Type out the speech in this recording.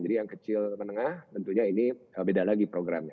jadi yang kecil menengah tentunya ini beda lagi programnya